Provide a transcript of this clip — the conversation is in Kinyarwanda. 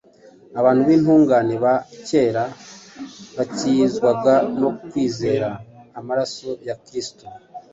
Abantu b’intungane ba kera bakizwaga no kwizera amaraso ya Kristo.